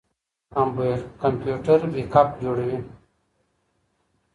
کمپيوټر بیک اپ جوړوي.